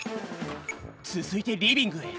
つづいてリビングへ。